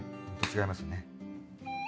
違いますね。